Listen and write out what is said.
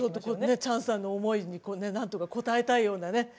チャンさんの思いになんとか応えたい。